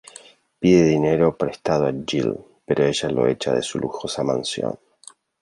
Pide dinero prestado a Jill, pero ella la echa de su lujosa mansión.